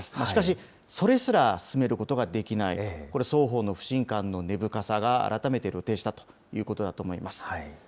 しかし、それすら進めることができない、これ、双方の不信感の根深さが改めて露呈したということだと思います。